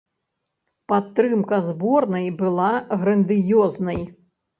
Падтрымка зборнай была грандыёзнай.